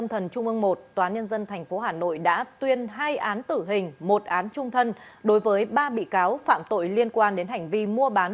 hà nội đã tuyên hai án tử hình một án trung thân đối với ba bị cáo phạm tội liên quan đến hành vi mua bán